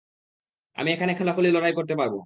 আমি এখানে খোলাখুলি লড়াই করতে পারব!